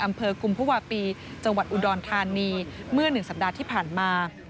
อำเภอกุมภวาปีจังหวัดอุดรธานีเมื่อหนึ่งสัปดาห์ที่ผ่านมา